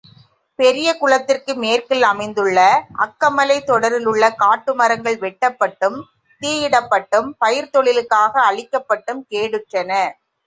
பெரிய குளத்திற்கு மேற்கில் அமைந்துள்ள அக்கமலைத்தொடரில் உள்ள காட்டு மரங்கள் வெட்டப்பட்டும், தீயிடப்பட்டும், பயிர்த் தொழிலுக்காக அழிக்கப்பட்டும் கேடுற்றன.